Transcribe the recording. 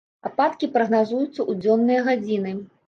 Ападкі прагназуюцца ў дзённыя гадзіны.